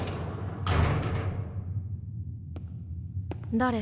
誰？